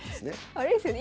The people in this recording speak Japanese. あれですよね